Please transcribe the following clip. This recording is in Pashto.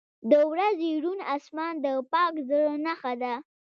• د ورځې روڼ آسمان د پاک زړه نښه ده.